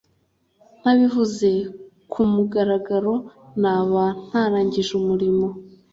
Ntabivuze ku mugaragaro naba ntarangije umurimo